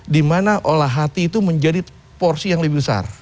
dimana olah hati itu menjadi porsi yang lebih besar